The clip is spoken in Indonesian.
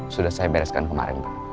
sudah saya bereskan kemarin